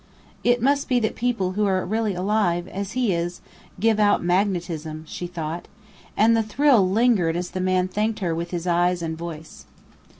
"It must be that people who're really alive, as he is, give out magnetism," she thought. And the thrill lingered as the man thanked her with eyes and voice.